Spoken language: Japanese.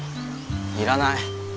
要らない。